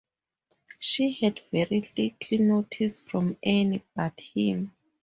She had very little notice from any but him.